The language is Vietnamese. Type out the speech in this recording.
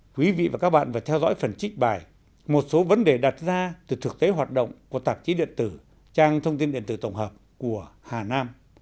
quý vị và các bạn vừa theo dõi phần trích bài một số vấn đề đặt ra từ thực tế hoạt động của tạp chí điện tử trang thông tin điện tử tổng hợp của hà nam